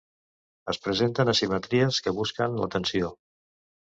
Es presenten asimetries que busquen la tensió.